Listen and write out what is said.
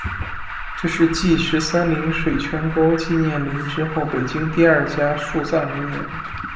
这是继十三陵水泉沟纪念林之后北京市第二家树葬陵园。